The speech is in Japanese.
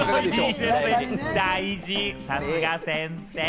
大事、さすが先生！